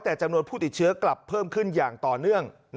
แต่จำนวนผู้ติดเชื้อกลับเพิ่มขึ้นอย่างต่อเนื่อง